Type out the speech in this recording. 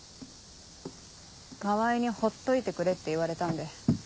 川合にほっといてくれって言われたんで。